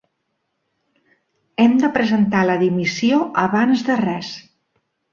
Hem de presentar la dimissió abans de res.